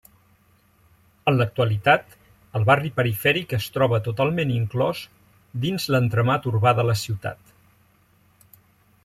En l'actualitat el barri perifèric es troba totalment inclòs dins l'entramat urbà de la ciutat.